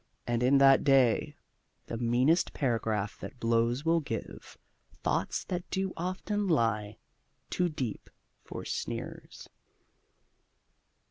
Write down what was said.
And in that day The meanest paragraph that blows will give Thoughts that do often lie too deep for sneers.